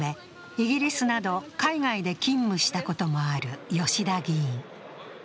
イギリスなど海外で勤務したこともある吉田議員。